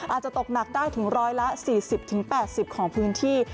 อาจจะตกหนักได้ถึง๑๔๐๘๐ของพื้นที่